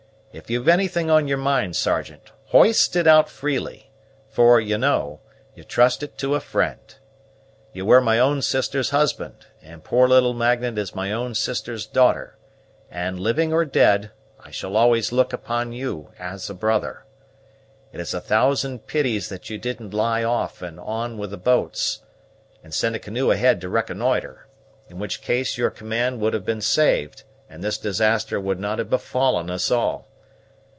If you've anything on your mind, Sergeant, hoist it out freely; for, you know, you trust it to a friend. You were my own sister's husband, and poor little Magnet is my own sister's daughter; and, living or dead, I shall always look upon you as a brother. It's a thousand pities that you didn't lie off and on with the boats, and send a canoe ahead to reconnoitre; in which case your command would have been saved, and this disaster would not have befallen us all.